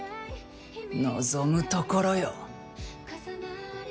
望むところよ！